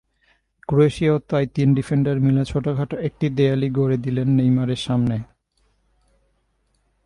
ক্রোয়েশিয়াও তাই তিন ডিফেন্ডার মিলে ছোটখাটো একটি দেয়ালই গড়ে দিলেন নেইমারের সামনে।